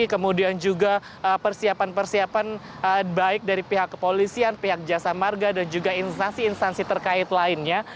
kemudian juga persiapan persiapan baik dari pihak kepolisian pihak jasa marga dan juga instansi instansi terkait lainnya